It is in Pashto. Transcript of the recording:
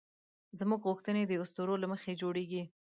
زموږ غوښتنې د اسطورو له مخې جوړېږي.